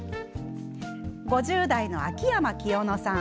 ５０代の秋山きよのさん。